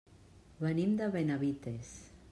Venim de Benavites.